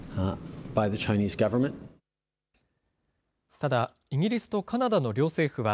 ただイギリスとカナダの両政府は、